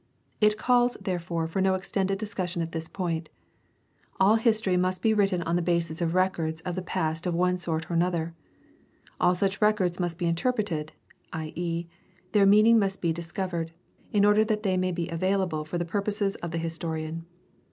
It calls, therefore, for no extended discussion at this point. All history must be written on the basis of records of the past of one sort or another. All such records must be interpreted, i.e., their meaning must be discovered, in order that they may be avail able for the purposes of the historian.